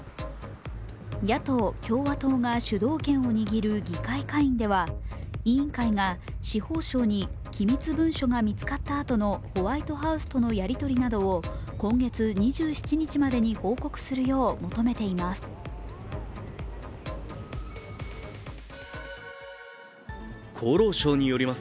野党・共和党が主導権を握る議会下院では、委員会が司法省に機密文書が見つかったあとのホワイトハウスとのやり取りなどを今月２７日までに報告するよう求めています。